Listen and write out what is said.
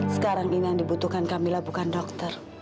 sekarang ini yang dibutuhkan kamilah bukan dokter